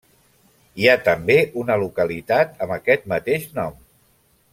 Hi ha també una localitat amb aquest mateix nom.